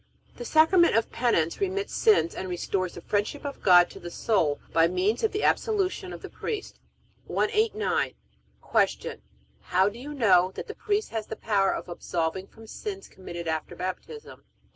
The Sacrament of Penance remits sins and restores the friendship of God to the soul by means of the absolution of the priest. 189. Q. How do you know that the priest has the power of absolving from the sins committed after Baptism? A.